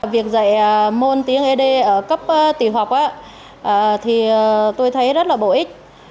việc dạy môn tiếng ế đê ở cấp tiểu học thì tôi thấy rất là bổ ích